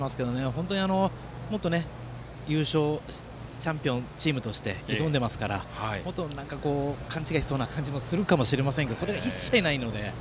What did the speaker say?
本当に優勝チャンピオンチームとして挑んでいますからもっと勘違いしそうな感じもありますけどそれが一切ないので。